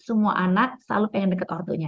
semua anak selalu ingin dekat ortonya